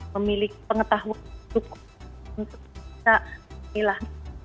memiliki pengetahuan untuk bisa menilai